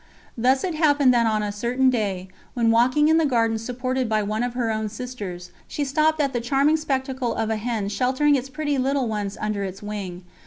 Thus it happened that on a certain day, when walking in the garden supported by one of her own sisters, she stopped at the charming spectacle of a hen sheltering its pretty little ones under its wing.